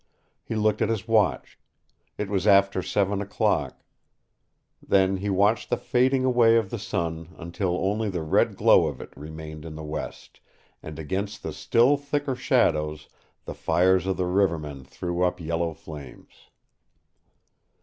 He looked at his watch. It was after seven o'clock. Then he watched the fading away of the sun until only the red glow of it remained in the west, and against the still thicker shadows the fires of the rivermen threw up yellow flames.